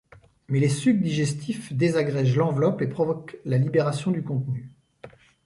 Mais les sucs digestifs désagrègent l'enveloppe et provoquent la libération du contenu.